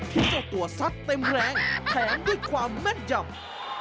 เจ้าตัวซัดเต็มแรงแถมด้วยความแม่นยำ